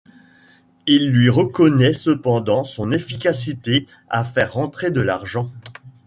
Il lui reconnaît cependant son efficacité à faire rentrer de l'argent.